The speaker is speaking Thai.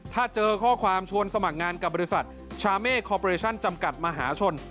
ถ้าเจอข้อความชวนสมัครงานกับบริษัทชาเม่คอเปรชั่นจำกัดมหาชน